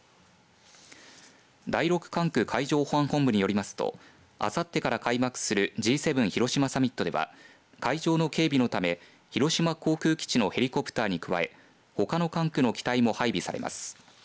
第６管区海上保安本部によりますとあさってから開幕するＧ７広島サミットでは海上の警備のため広島航空基地のヘリコプターに加えほかの管区の機体も配備されます。